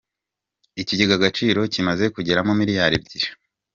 Ikigega Agaciro kimaze kugeramo miliyari Ebyiri